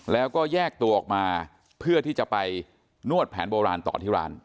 แล้วก็แยกตัวออกมาเพื่อที่จะไปนวดแผนโบราณต่อที่ร้าน